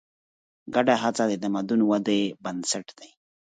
ګډه هڅه د تمدن ودې بنسټ دی.